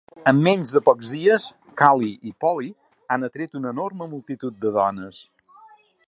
En menys de pocs dies, Calli i Polly han atret una enorme multitud de dones.